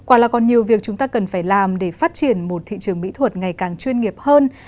quả là còn nhiều việc chúng ta cần phải làm để phát triển một thị trường mỹ thuật ngày càng chuyên nghiệp hơn